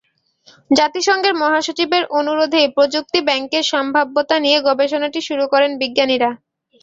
জাতিসংঘের মহাসচিবের অনুরোধেই প্রযুক্তি ব্যাংকের সম্ভাব্যতা নিয়ে গবেষণাটি শুরু করেন বিজ্ঞানীরা।